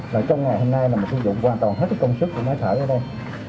và trong ngày hôm nay là mình sử dụng hoàn toàn hết công sức của máy thở ở đây